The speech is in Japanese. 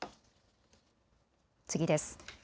次です。